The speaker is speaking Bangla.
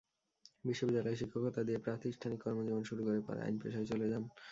বিশ্ববিদ্যালয়ে শিক্ষকতা দিয়ে প্রাতিষ্ঠানিক কর্মজীবন শুরু করে পরে আইন পেশায় চলে যান।